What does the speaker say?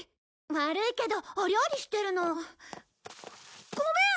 悪いけどお料理してるの。ごめん！